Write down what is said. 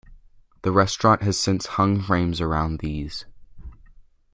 The restaurant has since hung frames around these.